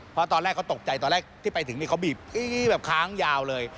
เพราะตอนแรกเขาตกใจตอนแรกที่ไปถึงนี่เขาบีบอี๊แบบค้างยาวเลย